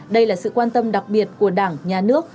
đây là sự quan tâm đặc biệt của đảng nhà nước